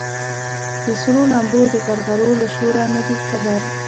د سرو لمبو د غرغرو له شوره نه دي خبر